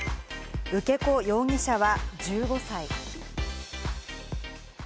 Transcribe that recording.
受け子容疑者は１５歳。